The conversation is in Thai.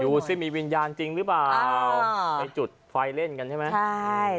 ดูสิมีวิญญาณจริงหรือเปล่าไปจุดไฟเล่นกันใช่ไหมใช่